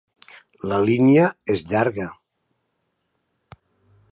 La línia és llarga.